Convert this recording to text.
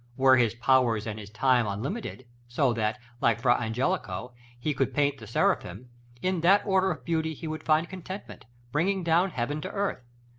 Were his powers and his time unlimited, so that, like Frà Angelico, he could paint the Seraphim, in that order of beauty he could find contentment, bringing down heaven to earth.